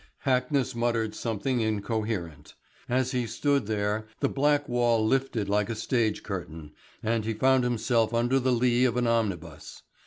Hackness muttered something incoherent. As he stood there, the black wall lifted like a stage curtain, and he found himself under the lee of an omnibus.